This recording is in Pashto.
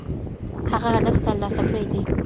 هغه هدف ترلاسه کړی دی.